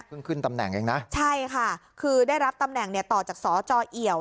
ขึ้นตำแหน่งเองนะใช่ค่ะคือได้รับตำแหน่งเนี่ยต่อจากสจเอี่ยว